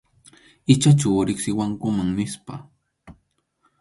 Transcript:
Ichachu riqsiwankuman nispa.